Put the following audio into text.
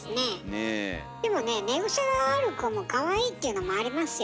でもね寝癖がある子もかわいいっていうのもありますよ。